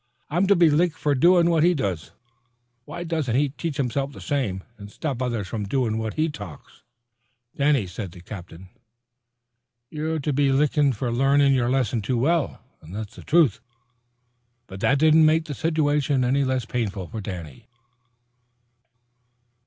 "I'm to be licked fer doin' what he does. Why don't he teach himself the same, an' stop others from doin' what he talks?" "Danny," said the commiserating captain, "you're to be licked for learning your lesson too well, and that's the truth." But that did not make the situation any the less painful for Danny.